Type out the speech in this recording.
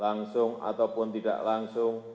langsung ataupun tidak langsung